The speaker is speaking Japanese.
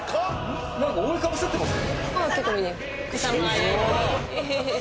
何か覆いかぶさってます